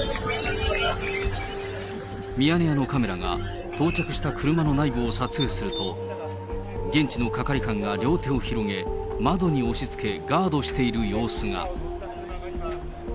ミヤネ屋のカメラが到着した車の内部を撮影すると、現地の係官が両手を広げ、窓に押しつけ、ガードしている様子が。